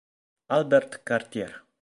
Albert Cartier